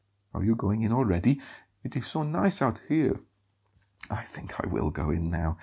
Are you going in already? It is so nice out here!" "I think I will go in now.